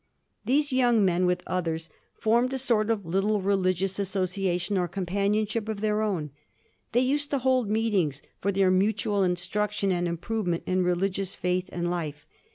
These young men, with others, formed a sort of little religious associa tion or companionship of their own. They used to hold meetings for their mutual instruction and improvement in religious faith and life.